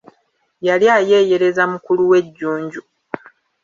Yali ayeeyereza mukulu we Jjunju.